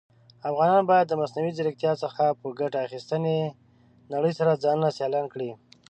افغانان بايد د مصنوعى ځيرکتيا څخه په ګټي اخيستنې نړئ سره ځانونه سيالان کړى.